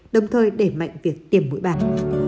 đồng thời để mạnh việc tiêm mũi bạc